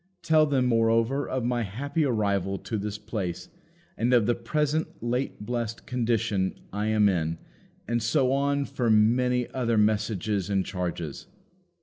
Tell them, moreover, of my happy arrival to this place, and of the present late blessed condition I am in, and so on for many other messages and charges."